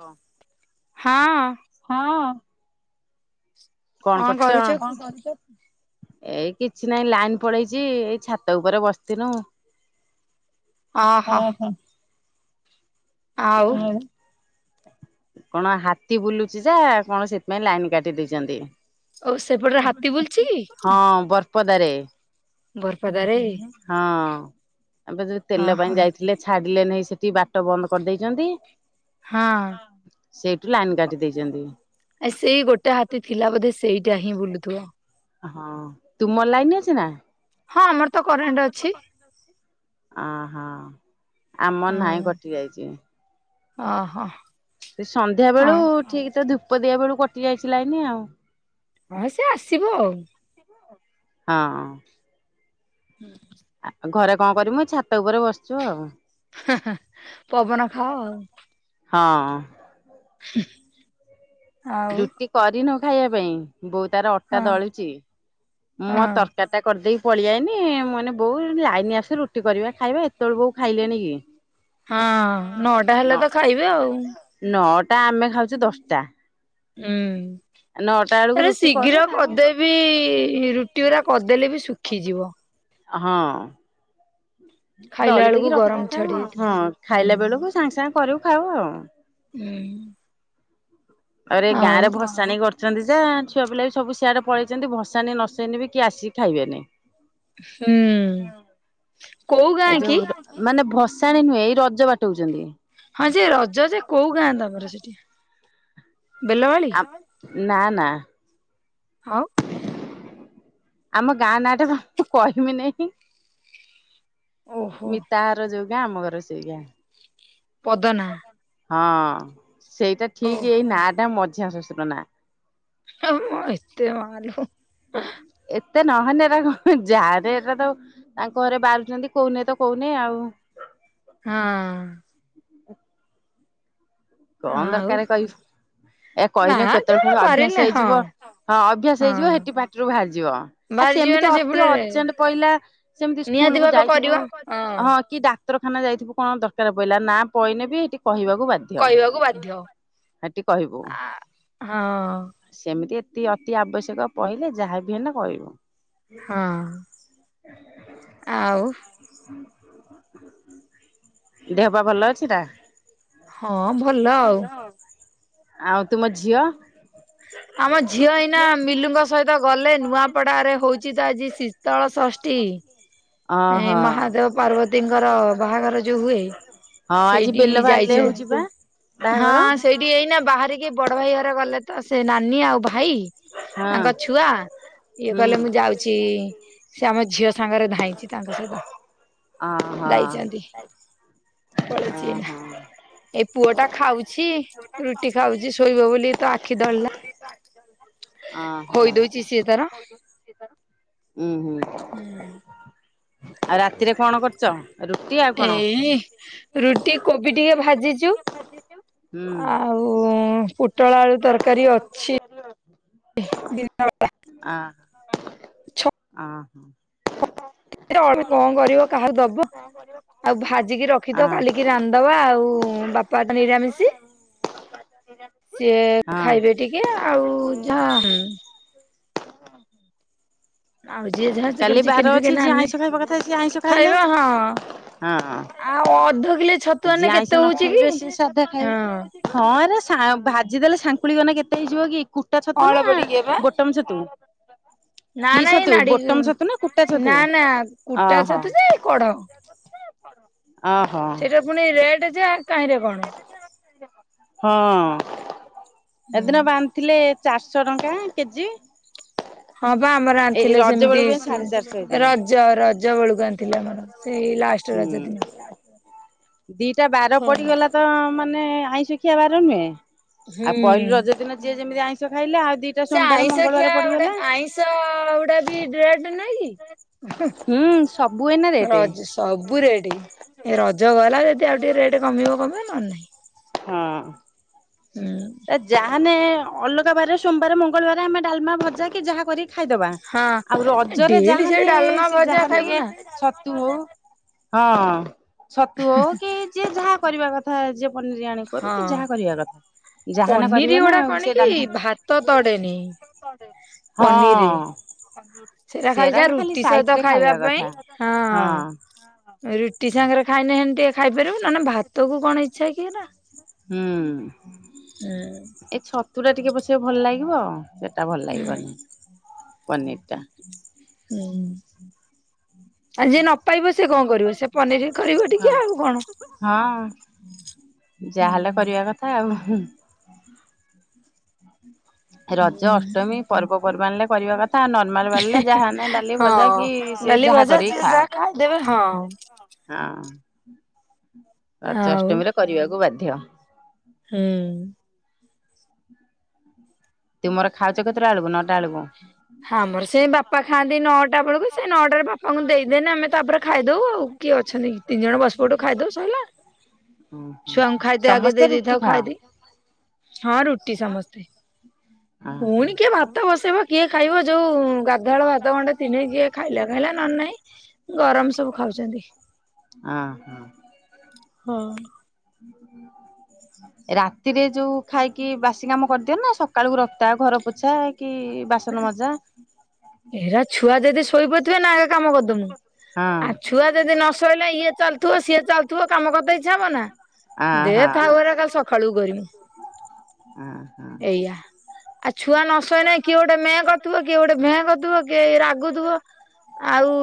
ହଁ। ହଁ। ହଁ। କଣ କରୁଚ? କରୁଛ କୁ ଏଇ କିଛି ନାଇଁ ଲାଇନ ପଳେଇଚି। ଏଇ ଛାତ ଉପରେ ବସଥିନୁ। ଆହା। ଆଉ। କଣ ହାତୀ ବୁଲୁଚି ଯା କଣ ସେଥିପାଇଁ ଲାଇନ୍ କାଟି ଦେଇଚନ୍ତି। ଆଉ ସେପଟରେ ହାତୀ ବୁଲଚି କି? ହଁ ବରପଦାରେ ବରପଦାରେ ହଁ। ଏବେ ଯଦି ତେଲ ଅହୋ ପାଇଁ ଯାଇଥିଲେ ଛାଡିଲେ ନାହିଁ ସେଠି ବାଟ ବନ୍ଦ କରିଦେଇଚନ୍ତି। ହଁ। ସେଇଠୁ ଲାଇନ୍ କାଟି ଦେଇଚନ୍ତି। ଆ ସେଇ ଗୋଟେ ହାତୀ ଥିଲା ବୋଧେ ସେଇଟା ହିଁ ବୁଲୁଥିବ। ହଁ ତୁମର ଲାଇନ ଅଛି ନା? ହଁ ଆମର ତ କରେଣ୍ଟ୍ ଅଛି। ଆହା ଆମର ନାହିଁ କଟି ଯାଇଚି। ଅ ହ। ସେ ସନ୍ଧ୍ୟା ବେଳୁ ଠିକ୍ ତ ଧୂପ ଦିଆ ବେଳୁ କଟି ଯାଇଚି ଲାଇନି ଆଉ। ହଁ ସେ ଆସିବ ଆଉ। ହଁ। ହୁଁ ଆଉ ଘରେ କଣ କରିବୁ ଛାତ ଉପରେ ବସିଛୁ ଆଉ। [unintelligible] ପବନ ଖାଅ ଆଉ। ହଁ [unintelligible] ଆଉ ରୁଟି କରିନୁ ଖାଇବା ପାଇଁ ବୋଉ ତାର ଅଟା ଆଉ ଦଳୁଛି। ହଁ ମଁ ହଁ ତରକାରୀ ଟା କରିଦେଇକି ପଳେଇ ଆଇନି ମୁଁ କହିନି ବୋଉ ଲାଇନି ଆଶୁ ରୁଟି କରିବା ଖାଇବା ଏ ତଳୁ ବୋଉ ଖାଇଲେଣି କି। ହଁ ନଅଟା ନ ହେଲେ ତ ଖାଇବେ ଆଉ। ନଅଟା ଆମେ ଖାଉଚୁ ଦଶଟା। ହୁଁ ନଅଟା ବେଳକୁ ତାପରେ ରୁଟି କରୁ ଶୀଘ୍ର ଖାଉ। କରିଦେଇ ବି ରୁଟିଗୁଡ଼ା କରିଦେଲେ ବି ଶୁଖିଯିବ। ହଁ। ଖାଇଲା ଦଳି ବେଳକୁ ଦେଇକି ରଖି ଗରମ ଛାଡି ଦେଇେଇଥାଉ ଯାଇଥିବ ହଁ ହୁଁ ଖାଇଲା ବେଳକୁ ସାଙ୍ଗେ ସାଙ୍ଗେ କରିବୁ ଖାଇବୁ ଆଉ। ହୁଁ। ଆରେ ଗାଁ ଆଉ ରେ ଭ ଭସାଣି କରୁଛନ୍ତି ଯେ ଛୁଆ ପିଲା ବି ସବୁ ସିଆଡ଼େ ପଳେଇଛନ୍ତି ଭସାଣି ନସେଇନେ ବି କିଏ ଆସିକି ଖାଇବେନି। ହୁଁ। କୋଉ ଏଇ ଗାଁ କି? ଯୋଉ ମାନେ ଭସାଣି ନୁହେଁ ଏଇ ରଜ ବାଟଉଛନ୍ତି। ହଁ ଯେ ରଜ ଯେ କୋଉ ଗାଁ ତମର ସେଠି ବେଲବାଳି? ଆ ନା ନା। ଆଉ। ଆମ ଗାଁ ନାଁଟା ପା ମୁଁ କହିମି ନେଇଁ ଓହୋ ମିତା ହର ଯଉ। ଗାଁ ଆମ ଘର ସେଇ ଗାଆଁ। ପଦନା। ହଁ ସେଇଟା ଠିକ ଏଇ ଓହୋ। ନାଟା ମଝିଆ ଶ୍ୱଶୁର ନା। [unintelligible] ଏତେ ମାଲୋ। ଏତେ ନହେଲେ ଏରା କ ଯାହା ନେ ଏଟା ତ ତାଙ୍କ ଘରେ ବାହାରୁଛନ୍ତି କୋହୁନି ତ କହୁନି ଆଉ। ହଁ। କଣ ଆଉ ଦରକାର କହିବୁ ଏ ନା କହିନେ କେତେବେଳେ ଯୋଉଟା ପୁଣି ଅଭ୍ୟାସ ପାରିଲେ ହଁ ହେଇଯିବ। ହଁ ଅଭ୍ୟାସ ହେଇଯିବ ହଁ ହେଟି ପାଟିରୁ ବାହାରଯିବ ଆ ବାହାରି ଯିବେ ସେମିତି ନା ଅତି ସେପଟରେ ଅର୍ଜେଣ୍ଟ ପଇଲା ସେମିତି ସ୍କୁଲ ନିହାତି କୁ ଭାବେ ଯାଇଥିବୁ କରିବ ହଁ କି ଡା ତରଖାନା ଯାଇଥିବୁ କଣ ଦରକାର ପଇଲା ନା ପଇନେ ବି ସେଇଠି କହିବାକୁ ବାଧ୍ୟ। କହିବାକୁ ବା ହେଠି କହିବୁ। ହଁ ସେମିତି ଏତି ଅତି ଆବଶ୍ୟକ ପଇଲେ ଯାହାବି ହେଲେ କହିବୁ। ହଁ ଆଉ [inaudible] ଦେହ ପା ଭଲ ଅଛି ନା? ହଁ ଭ ଆଉ ତୁମ ଝିଅ। ଆମ ଝିଅ ଏଇନା ମିଲୁଙ୍କ ସହିତ ଗଲେ ନୂଆପଡରେ ହଉଛି ତ ଆଜି ଶୀତଳ ଷଷ୍ଠୀ। ଅ ଏ ହ ହଁ ମହାଦେବ ପାର୍ବତୀଙ୍କର ବାହାଘର ଯୋଉ ହୁଏ ଆଜି ସେଇଠି ବେଲ ବାହା ଲି ରେ ଯାଇଛେ ହଉଛି ପା। ହଁ ସେଇଠି ଏଇନା ବାହହାରିକି ବଡ ଭାଇ ଘର ଗଲେ। ତ ସେ ନାନୀ ଆଉ ଭାଇ ତାଙ୍କ ଛୁଆ ଇଏ ହୁଁ କହିଲେ ମୁଁ ଯାଉଚି। ସେ ଆମ ଝିଅ ସାଙ୍ଗରେ ଧାଇଁଛି ତାଙ୍କ ସହିତ। ଅହ। ଯାଇଛନ୍ତି ଅ ପଳେଇଛି ଏଇନା ହ। ଏଇ ପୁଅ ଟା ଖାଉଛି ରୁଟି ଖାଉଛି ଶୋଇବ ବୋଲି ତ ଆଖି ଦଳିଲା। ଅ ଖୋଇ ଦଉଛି ସିଏ ତାର ହ। ଉୁଁ ହୁଁ ଆଉ ରାତିରେ କଣ କରୁଛ ରୁଟି ଆଉ କଣ? ଏଇ ରୁଟି କୋବି ଟିକେ ଭାଜିଚୁ। ହୁଁ ଆଉ ପୁ ଟଳ ଆଳୁ ତରକାରୀ ଅଛି। ଦିନବେଳା। ଆ ଆହ। ଳ କଣ କରିବ କାହାକୁ ଦବ ଆଉ ଭାଜିକି ରଖିଦ ହଁ କାଲି ରାନ୍ଧବା ଆଉ ବାପା ନିରା ମିଶି। ସିଏ ହଁ ଖାଇବେ ଟିକେ ଆଉ ଯା ହଁ। ଆଉ ଯିଏ ଯାହା ସେ ଖାଲି କାଲି ବାର ଚିକେନ ଅଛି ଫିକେନ ଯିଏ ଆଣିଲେ ଆଇଁଷ ଖାଇବା କଥା ସି ଆଇଁଷ ଖାଇଲେ। ଖାଇବା ହଁ ହଁ ଆଉ ଅଧ କିଲେ ଛତୁ ଆଣିଲେ ଯିଏ ଆଇଁସ କେତେ ନ ହଉଛି କି? ଖାଇବେ ସିଏ ସାଧା ଖାଇବେ। ହଁ ହଁ ରେ ସା ଭାଜି ଦେଲେ ଶାଙ୍କୁଳି ଗଲେ କେତେ ହେଇଯିବ କି? କୁଟା ଛତୁ ନା ଅଳପ ଟିକେ ବା ଗୋଟ୍ ବଟମ ଛତୁ। ନା କି ନାଇଁ ଛତୁ ନାଡି ବୋଟମ ଛତୁ ନା କୁଟା ଛତୁ ନା ନା କୁଟା ଓହଃ। ଛତୁ ଯେ କଢ ଅ ସେଇଟା ପୁଣି ରେଟ୍ ଜେ କାହିଁରେ କଣ? ହଁ ଏଦିନ ବାନ୍ଧିଥିଲେ ଚାରିଶହ ଟଙ୍କା କେଜି। ହଁ ବା ଆମର ଏଇ ଆଣିଥିଲେ ରଜ ସେମିତି ବେଳକୁ ଉଁ ସାଢେ ଚାରିଶହ ହେଇଥିଲା ରଜ ର ଜ ବଳକୁ ଆଣିଥିଲେ ଆମର ସେଇ ଲାଷ୍ଟ ହୁଁ ରଜ ଦିନ। ଦିଟା ବାର ହଁ। ପଡ଼ିଗଲା ତ ମାନେ ଆଇଁଷ ଖିଆ ବାର ନୁହେଁ। ଆଉ ପହିଲି ହୁଁ ରଜ ଦିନ ଯିଏ ଯେମିତି ଆଇଁଷ ଖାଇଲେ ଆଉ ଦି ସେ ଆଇଁଷ ଖିଆ ଗୋଟେ ଆଇଁଷ ଗୁଢା ବି [unintelligible] ନୁହେଁ କି। ହୁଁ ସବୁ ଏଇନା ହ ରେଟ ରଜ ସବୁ ରେଟ ଏ ରଜ ଗଲା ଯଦି ଆଉ ଟିକେ ରେଟ୍ କମିବ କମିବ ନହେଲେ ନାହିଁ। ହଁ। ହୁଁ। ଯାହାନେ ଅଲଗା ବାର ସୋମବାର ମଙ୍ଗଳବାର ଆମେ ଡାଲମା ଭଜା କି ଯାହା କରି ଖାଇଦବା ଆଉ ହଁ ରଜରେ ଡେଲି ସେଇ ଯାହାନେ ଡାଲମା ସେ ଭଜା ଯାହାନି ଖାଇବୁ ନା ଟିକେ ଛତୁ ହଉ ହଁ ଛତୁ ହଉ କି ଯିଏ ଯାହା କରିବା କଥ କଥା ଯେ ପନିରି ଆଣି କରୁ କି ହଁ। ଯାହା କରିବା କଥା। ଯାହାନେ କରିବେ ପନିର ନା ଗୁଡା ଆଉ ସେ କଣ କି ଡାଲମା ଭାତ ତଡ଼େନି। ହଁ। ସେଟା ଖାଲି ଯା ସେରାକ ରୁଟି ସହିତ ସାଇଟରେ ଖାଇବା ପାଇଁ କଥା। ହଁ। ରୁଟି ସାଙ୍ଗରେ ଖାଇନେ ହେନ୍ତି ଖାଇପାରିବୁ ନଲେ ଭାତକୁ କଣ ଇଚ୍ଛା କି ଏରା। ହୁଁ। ହୁଁ। ଏଇ ଛତୁଟା ଟିକେ ପଛେ ଭଲ ଲାଗିବ ସେଟା ଭଲ ହୁଁ ଲାଗିବନେଇ ପନିରଟା। ହୁଁ। ଆଉ ଯିଏ ନପାଇବ ସେ କଣ କରିବ ସେ ପନିରହି କରିବ ଟିକେ ଆଉ କଣ? ହଁ। ଯାହାହେଲେ ହୁଁ। କରିବା କଥା ଆଉ ହୁ। ରଜ ଅଷ୍ଟମୀ ପର୍ବପର୍ବାଣୀରେ କରିବା କଥା ନ ମାଲ ବାରିଲେ ଯାହାନେ ଡାଲି ଭଜା ହଁ କି ସେ ଡାଲି ଯାହା ଭଜା କରିକି ଯିଏ ଖା। ଯାହା ଖାଇଦେବେ ହଁ ହଁ ରଜ ଆଉ। ଅଷ୍ଟମୀରେ କରିବାକୁ ବାଧ୍ୟ। ହୁଁ। ତୁମର ଖାଉଛ କେତଟା ବେଳକୁ ନଟା ଏଳକୁ ହଁ ଆମର ସେ ବାପା ଖାଆନ୍ତି ନଅଟା ବେଳକୁ ସେ ନଅଟାରେ ବାପାଙ୍କୁ ଦେଇଦେନେ ଆମେ ତାପରେ ଖାଇଦଉ ଆଉ କିଏ ଅଛନ୍ତି କି? ତିନି ଜଣ ବସପଡୁ ଖାଇଦଉ ସଇଲା। ହଁ ହୁଁ ଛୁଆଙ୍କୁ ଖାଇତେ ଆଗେ ଦେଇ ସମସ୍ତେ ଦେଇଥାଉ ରୁଟି ଖାଆ। ଖାଇଦି ହଁ ରୁଟି ସମସ୍ତେ ହଁ ପୁଣି କିଏ ଭାତ ବସେଇବ କିଏ ଖାଇବ ଯୋଉ ଗାଧୁଆଳ ଭାତ ଗଣ୍ଡେ ଥିନେ ଯିଏ ଖାଇଲା ଖାଇଲା ନହନେ ନାହିଁ ଗରମ ସବୁ ଖାଉଛନ୍ତି ହଁ ହଁ। ହ ରାତିରେ ଯୋଉ ଖାଇକି ବାସି କାମ କରିଦିଏ ନା ସକାଳକୁ ରକ୍ତା ଘର ପୋଛା କି ବାସନ ମଜା ଏରା ଛୁଆ ଯଦି ଶୋଇପାରୁଥିବେ ନା କାମ କରିଦବୁ ଆ ହଁ। ଛୁଆ ଯଦି ନ ଶୋଇଲା ଇଏ ଚାଲୁଥିବ ସିଏ ଚାଲ ତୁ କାମ କରିତେ ଇଚ୍ଛା ହବ ନା ଦେ ଥାଉ ଏରା କାଲି ସକାଳୁ କରିମୁ। ହଁ ହଁ। ୟା। ଆ ଛୁଆ ନ ଶୋଇନେ କିଏ ଗୋଟେ ମେଁ କରୁଥିବ କିଏ ଗୋଟେ ଭେଁ କରୁଥିବ କିଏ ରାଗୁଥିବ। ଆଉ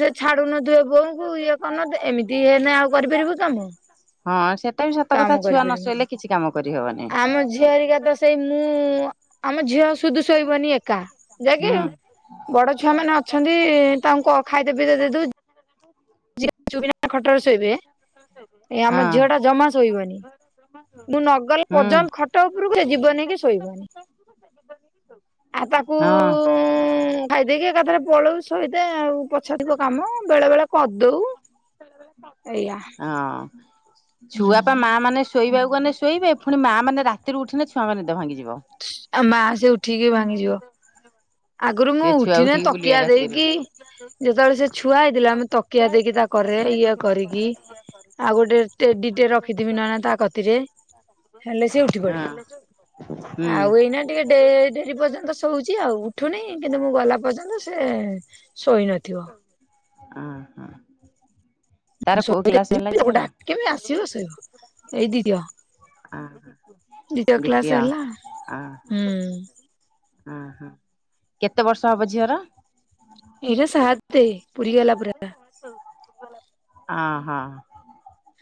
ସେ ଛାଡୁନଥିବେ ବୋଉଙ୍କୁ ଇଏ କରୁ ନ ଥିବେ ଏମିତି ହେନେ ଆଉ କରିପାରିବୁ କି କାମ। ହଁ ସେଟା ବି ସତ କାମ କଥା ଛୁଆ ନ କରିପାରିବୁ ଶୋଇଲେ କିଛି କାମ କରିହବନି। ଆମ ଝିଅ ହରିକା ତ ସେଇ ମୁଁ ଆମ ଝିଅ ସ୍ ସୁଦୁ ଶୋଇବନି ଏକା ଯାଗେ ହୁଁ ବଡ ଛୁଆ ମାନେ ଅଛନ୍ତି ତାଙ୍କୁ କଁ ଖାଇତେ ପିଇତେ ଦେଇ ଦବୁ। [inaudible] ଯିବେ ଚୁପ୍ କିନା ଖଟରେ ଶୋଇବେ ଏ ଆମ ହଁ ଝିଅ ଟା ଜମା ଶୋଇବନି। ମୁଁ ନ ଗଲା ହୁଁ ପର୍ଯ୍ୟନ୍ତ ଖଟ ଉପରକୁ ସେ ଯିବନି କି ଶୋଇବନି। [inaudible] ଆଉ ତାକୁ ହଁ ଖାଇଦେଇକି ଏକାଥରେ ପଳଉ ଶୋଇତେ ଆଉ ପଛେଥିବ କାମ ବେଳେ ବେଳେ କଦଉ। ଏୟା। ହଁ। ଛୁଆପା ମାଆ ମାନେ ଶୋଇବାକୁ ଗନେ ଶୋଇବେ ପୁଣି ମାଆ ମାନେ ରାତିରୁ ଉଠିନେ ଛୁଆଙ୍କ ନିଦ ଭାଙ୍ଗିଯିବ। ଆଉ ମାଆ ସେ ଉଠିକି ଭାଙ୍ଗିଯିବ। ଆଗରୁ ମୁଁ ସିଏ ଛୁଆ ଉଠିନେ ଉଠିକି ବୁଲିବେ ତକିଆ ରାତିରୁ ଦେଇକି ଯେତେବେଳେ ସେ ଛୁଆ ହେଇଥିଲା ଆମେ ତକିଆ ଦେଇକି ତା କରରେ ଇଏ କରିକି। ଆଉ ଗୋଟେ ଟେଡିଟେ ରଖିଥିବି ନହେନେ ତା କତିରେ ହେଲେ ସେ ଉଠ୍ ଉଠି ହଁ। ପଡେ ହୁଁ ଆଉ ଏଇନା ଟିକେ ଡେରି ପର୍ଯ୍ୟନ୍ତ ଶୋଉଚି ଆଉ। ଉଠୁନି କିନ୍ତୁ ମୁଁ ଗଲା ପର୍ଯ୍ୟନ୍ତ ସେ ଶୋଇ ନଥିବ‌। ଆ ହଁ ତାର କୋଉ କ୍ଲାସ୍ ହେଲା ଝିଅର? କେମତି ଆସିବ ଶୋଇବ ଏଇ ଦିଦିଅ। ଦ୍ୱିତୀୟ ଦ୍ଵିତୀୟ କ୍ଲାସ ହେଲା ହୁଁ। ଓ ହୋ କେତେ ବର୍ଷ ହବ ଝିଅର? ଏଇରା ସାତେ ପୁରି ଗଲା ପୁରା। ଅଁ ହଁ।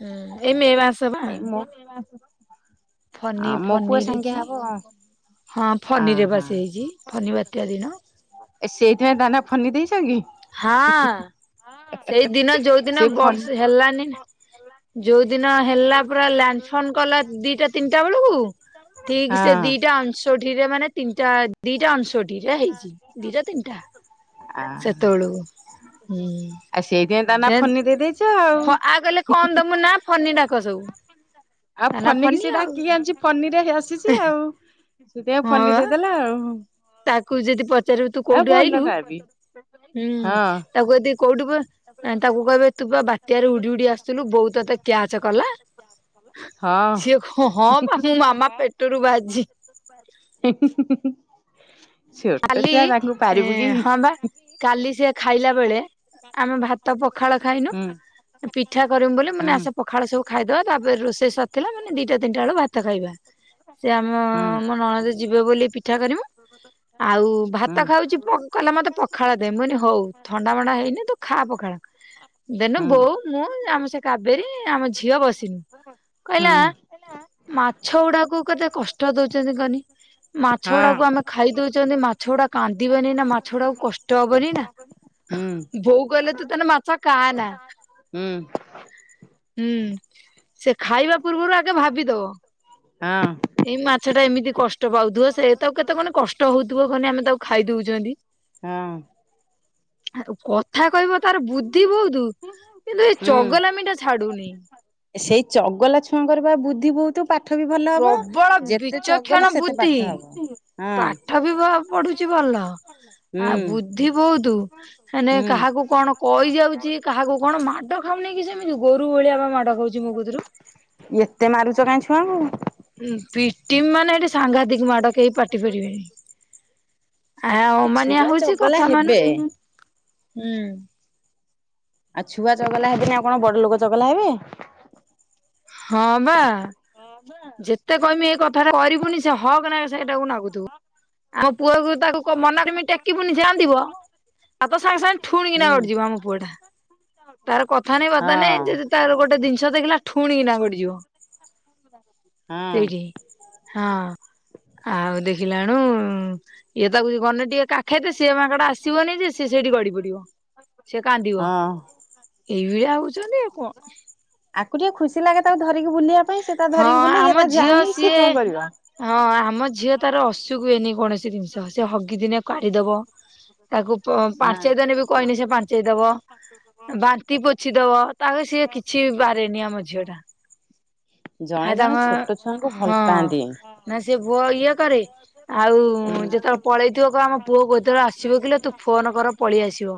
ହୁଁ ଏଇ ମେଁ ମାସ୍ ଏଇ ମ ଏଇ ମେଁ ମାସର ଫନି ଫନିରେ ‌ଚି ହଁ ଫନିରେ ପା ଅହୋ ସେ ହେଇଚି ଫନି ବାତ୍ୟା ଦିନ। ଏ ସେଇଥିପାଇଁ ତା ନାଁ ଫନି ଦେଇଚ କି? ହଁ ସେଇଦିନ ସେ ଯୋଉଦିନ ଫନି ବର୍ଷ୍ ହେଲାନି ହଁ ନା? ଯୋଉ ଦିନ ହେଲା ପୁରା ଲ୍ୟାଣ୍ଡଫନ୍ କଲା ଦିଟା ତିନିଟା ବେଳୁକୁ। ଠିକ ସେ ଦିଟା ଅଣଷୋଠି ରେ ମାନେ ତିନିଟା ଦିଟା ଅଣଷୋଠି ରେ ହେଇଚି। ଦିଟା ତିନିଟା। ଆ ଆ ସେତେବେଳକୁ ସେଇଥି ପାଇଁ ତା ନାଁ ହୁଁ ଫନି ଦେଇ ଦେଇଚ ଆଉ। ଫ ଆ କହିଲେ କଣ ଦମୁ ନାଁ ଫନି ଡାକ ସବୁ। ଆଉ ତା ନା ଫନି କିି ସେ ଆଉ ଡାକିକି ଆଣିଚି ଫନିରେ ଆସିଚି ଆଉ। ସେଇଥି ପାଇଁ ହଁ ଫନି ବା ଦେଇଦେଲା ଆଉ। ତାକୁ ଯଦି ପଚାରିବୁ ତୁ ଆଉ କୋଉଠୁ ଭଲ ଆଇଲୁ ନାଁ ବି। ହୁଁ ହଁ ତାକୁ ଯଦି କୋଉଠୁ ନାଇଁ ତାକୁ କହିବେ ତୁ ପା ବାତ୍ୟାରେ ଉଡି ଉଡି ଆସଥିଲୁ ବୋଉ ତତେ କ୍ୟାଚ କଲା। ହଁ ସିଏ କ ହଁ ପା ମୁଁ ମାମା ପେଟରୁ ବାଜି ହୁଁ ହୁଁ ହୁଁ ହୁଁ। ଛୋଟ କାଲି ଛୁଆ ତାକୁ ପାରିବୁ କି। ହଁ ବା କାଲି ସିଏ ଖାଇଲା ବେଳେ ଆମେ ଭାତ ତ ପଖାଳ ଖାଇନୁ ହୁଁ ପିଠା କରିମୁ ବୋଲି ମୁଁ କହିଲି ଆସ ପ ହୁଁ ପଖାଳ ସବୁ ଖାଇଦବା ତାପରେ ରୋଷେଇ ସରଥିଲା ମୁଁକଇନି ଦିଟା ତିନିଟା ବେଳୁ ଭାତ ଖାଇବା। ସେ ଆମ ମୋ ନଳନ୍ଦ ଯିବେ ବୋଲି ପିଠା କରିମୁ ଆଉ ହୁଁ। ଭାତ ଖାଉଚି ପକ୍ କହିଲା ମତେ ପଖାଳ ଦେ ମୁଁ କହିନି ହଉ ଥଣ୍ଡା ମଣ୍ଡା ହେଇନି ତୁ ଖା ପଖାଳ। ହଁ। ଦେନ ବୋଉ ମୁଁ ଆମ ସେ କାବେରୀ ଆମ ଝିଅ ବସିନୁ ହୁଁ କଇଲା ମାଛ ଗୁଡାକୁ କେତେ କଷ୍ଟ ଦଉଚନ୍ତି କନି ମାଛ ହଁ। ଗୁଡାକୁ ଆମେ ଖାଇ ଦଉଛୁ। କହୁଛନ୍ତି ମାଛ ଗୁଡା କାନ୍ଦିବନି ନା ମାଛ ଗୁଡା ଆକୁ କଷ୍ଟ ହବନି ନା। ହୁଁ ବୋଉ କହିଲା ତୁ ତାନେ ମାଛ ଖାଆ ନା ହୁଁ ହୁଁ। ସେ ଖାଇବା ପୂର୍ବରୁ ଆଗେ ଭାବିଦବ। ହଁ। ଏଇ ମାଛ ଟା ଏମିତି କଷ୍ଟ ପାଉଥିବ ସେ ତ କେତେ କଣ କଷ୍ଟ ହଉଥିବ କହନି ଆମେ ତାକୁ ଖାଇ ଦଉଛନ୍ତି। ହଁ। ଆଉ କଥା କହିବ ତାର ବୁଦ୍ଧି ବହୁତ କିନ୍ତୁ ଏ ହୁଁ। ଚଗଲାମିଟା ଛାଡୁନି। ସେଇ ଚଗଲା ଛୁଆଙ୍କର ବା ବୁଦ୍ଧି ବହୁତ ପା ପାଠ ବି ଭଲ ହବ ପ୍ରବଳ ଯେତେ ବିଚକ୍ଷଣ ଚଗଲା ସେତେ ବୁଦ୍ଧି ପାଠ ହବ ହଁ। ପାଠ ବି ପଢୁଛି ଭଲ। ହୁଁ। ବୁଧି ବହୁତୁ ମାନେ କାହାକୁ କଣ କଇଯାଉଚି କାହାକୁ କଣ ମାଡ ଖାଉନି କି ସେମିତି ଗୋରୁ ଭଳିଆ ବା ମାଡ ଖାଉଚି ମୋ କତୁରୁ। ଏତେ ମାରୁଛ କାହିଁକି ଛୁଆଙ୍କୁ। ପିଟିମୀ ମାନେ ଏଠି ସାଙ୍ଘାତିକ ମାଡ କେହି ପାଟି ପାରିବେନି। ଆ ଏ ଅମାନିଆ ଛୁଆ ହଉଚି ଚଗଲା କଥା ହେବେ। ମାନୁନି ହୁଁ। ଆଉ ଛୁଆ ଚଗଲା ହେବେନି ଆଉ କଣ ବଡ଼ ଲୋକ ଚଗଲା ହେବେ? ହଁ ବା। ଯେତେ କହିମି ଏଇ କଥା ଟା କରିବୁନି ସେ ହକ ନାକେ ସେଇଟାକୁ ନାଗୁଥୁବ ମୋ ପୁଅକୁ ତାକୁ ମନା କେମି ଟେକିବୁନି ସିଏ କାନ୍ଦିବ ଆଉ ତ ସାଙ୍ଗେ ସାଙ୍ଗେ ହୁଁ। ଠୁଣୁକିନା ଗଡିଯିବ ଆମ ପୁଅ ଟା। ତାର କଥା ନାଇଁ ବାର୍ତ୍ତା ନାଇଁ ହଁ। ଯଦି ତାର ଗୋଟେ ଜିନିଷ ଦେଖିଲା ଠୁଣିକିନା ଗଡିଯିବ। [inaudible] ସେଇଠି ହଁ ଆଉ ଦେଖିଲାବେଳୁ ଇଏ ତାକୁ ଗନେ ଟିକେ କାଖେଇତେ ସିଏ ମାଙ୍କଡ ଆସିବନି ଯେ ସେ ସେଇଠି ଗଡି ପଡିବ। ସିଏ କାନ୍ଦିବ ହଁ ଏଇ ଭଳିଆ ହଉଚନ୍ତି ଆଉ କଣ। ଆକୁ ଟିକେ ଖୁସି ଲାଗେ ତାକୁ ଧରିକି ବୁଲିବା ପାଇଁ ସେ ତାର ହଁ ଧରିକି ବୁଲେ ଆମ ଇଏ ତା ଝିଅ ଯାଏନି ସେ ସିଏ କଣ କରିବ। ହଁ ଆମ ଝିଅ ତାର ଅଶୁକୁୁଏନି କୌଣସି ଜିନିଷ ସେ ହଗିଦିନେ କାଢିଦବ। ତାକୁ ହଁ। ପାଞ୍ଚେଇଦନେ ବି କହିନେ ସେ ପାଞ୍ଚେଇ ଦବ। ବାନ୍ତି ପୋଛି ଦବ ତାକୁ ସିଏ କିଛି ବାରେନି ଆମ ଝିଅ ଟା। ହା ଜଣେ ଜଣେ ଛୋଟ ଛୁଆଙ୍କୁ ତାଙ୍କ ଭଲ ହଁ। ପାଆନ୍ତି। ନା ସେ ବୁଅ ଇଏ କରେ ଆଉ ଯେତେବେଳେ ପଳେଇ ଥିବ କହିବ ଆମ ପୁଅ କେତେବେଳେ ଆସିବ କିଲୋ ତୁ ଫୋନ କର ପଳେଇ ଆସିବ।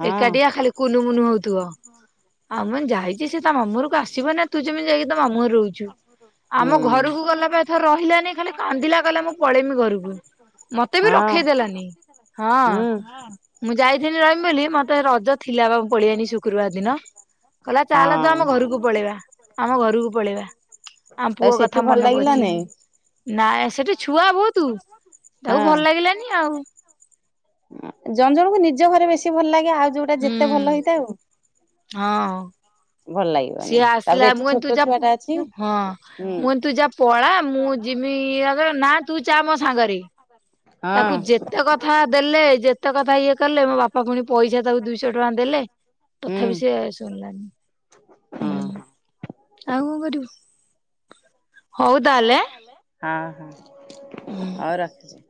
ହଁ ଏକାଟିଆ ଖାଲି କୁନୁ ମୁୁନୁ ହଉଥିବ। ଆଉ ମୁଁ ଯାଇଚି ସେ ତା ମାମୁଁ କୁ ଆସିବ ନା ତୁ ଯେମିତି ଯାଇକି ତ ମାମୁଁ ଘରେ ରହୁଚୁ। ହୁଁ ଆମ ଘରକୁ ଗଲା ପା ଏଥର ରହିଲାନି ଖାଲି କାନ୍ଦିଲା କଇଲା ମୁଁ ପଳେଇମି ଘରକୁ। ମତେ ବି ରଖେଇଦେଲାନି ହଁ। ହୁଁ ହଁ। ମୁଁ ଯାଇଥିଲି ରହିିମ ବୋଲି ମତେ ରଜ ଥିଲା ବା ପଳେଇଆନି ଶୁକ୍ରୁବାର ଦିନ। କହିଲା ଚାଲ ତୁ ହଁ। ଆମ ଘରକୁ ପଳେଇବା ଆମ ଘରକୁ ପଳେଇବା। ଆମ ତ ପୁଅ ସେଠି କଥା ଭଲ ମନେ ଲାଗିଲା ପଡୁଛି। ନାଇଁ ନାଇଁ ସେଠି ଛୁଆ ବହୁତୁ ତାକୁ ହଁ। ଭଲ ଲାଗିଲାନି ଆଉ। ଜଣ ଜଣଙ୍କୁ ନିଜ ଘରେ ବେଶୀ ଭଲ ଲାଗେ ଆଉ ଯୋଉଟା ଯେତେ ଭଲ ହେଇଥାଉ। ହଁ। ଭଲ ଲାଗିବନି ସିଏ ତାପରେ ଆସିଲା ଏଠି ମୁଁ କହିନି ଛୋଟ ତୁ ଯା ଛୁଆ ହଁ ମୁଁ ଟା ଅଛି ହୁଁ କଇନି ତୁ ଯା। ପଳା ମୁଁ ଯିମି ଏୟା କଇଲାକୁ ନା ତୁ ଚା ମୋ ସାଙ୍ଗରେ। ହଁ ତାକୁ ଯେତେ କଥା ଦେଲେ ଯେତେ କଥା ଇଏ କଲେ ମୋ ବାପା ଫୁଣି ପଇସା ତାକୁ ଦୁଇଶ ଟଙ୍କା ଦେଲେ। ତଥାପି ହୁଁ। ସିଏ ଶୁଣିଲାନି। ହୁଁ ହଁ ଆଉ କଣ କରିବୁ ହଉ ତାହେଲେ। ହଁ ହଁ ହୁଁ। ହଉ ରଖୁଛି।